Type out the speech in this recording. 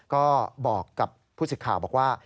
ก็บอกกับผู้สิทธิ์ข่าวบอกว่า